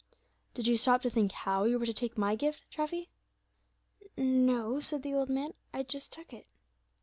"Did you stop to think how you were to take my gift, Treffy?" "No," said the old man, "I just took it."